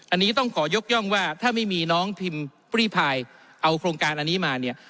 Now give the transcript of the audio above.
อันนี้ต้องขอยกย่องว่าถ้าไม่มีน้องพิมพ์ปลีพายเอาโครงการอันนี้มาเนี่ย